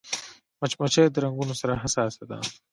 مچمچۍ د رنګونو سره حساسه ده